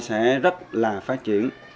sẽ rất là phát triển